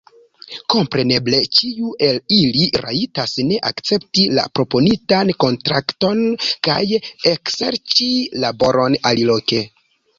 Kompreneble ĉiu el ili rajtas ne akcepti la proponitan kontrakton kaj ekserĉi laboron aliloke.